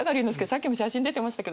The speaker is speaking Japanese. さっきも写真出てましたけど